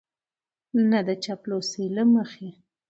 نه د چاپلوسۍ له مخې